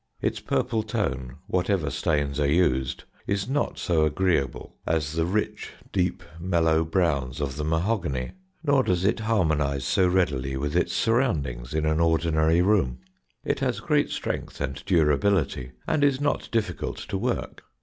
Its purple tone (whatever stains are used) is not so agreeable as the rich, deep, mellow browns of the mahogany; nor does it harmonise so readily with its surroundings in an ordinary room. It has great strength and durability, and is not difficult to work.